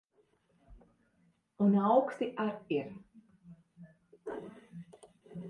Un auksti ar ir.